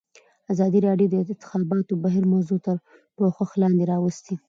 ازادي راډیو د د انتخاباتو بهیر موضوع تر پوښښ لاندې راوستې.